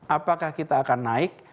apakah kita akan naik